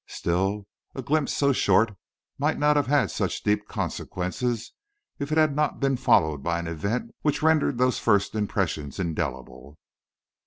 Still a glimpse so short might not have had such deep consequences if it had not been followed by an event which rendered those first impressions indelible."